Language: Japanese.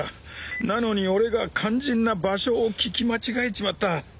なのに俺が肝心な場所を聞き間違えちまった。